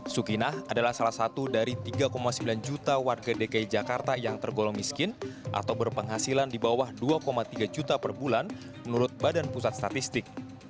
sukinah adalah salah satu dari tiga sembilan juta warga dki jakarta yang tergolong miskin atau berpenghasilan di bawah dua tiga juta per bulan menurut badan pusat statistik